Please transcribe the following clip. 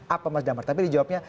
apa mas damar tapi dijawabnya